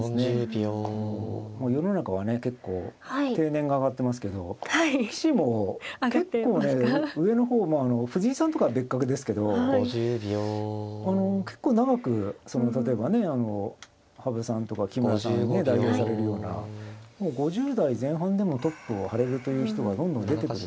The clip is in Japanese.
世の中はね結構定年が上がってますけど棋士も結構ね上の方まあ藤井さんとかは別格ですけど結構長く例えばね羽生さんとか木村さんにね代表されるような５０代前半でもトップを張れるという人がどんどん出てくる。